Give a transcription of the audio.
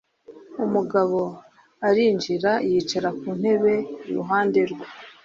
Umugabo arinjira yicara ku ntebe iruhande rwe.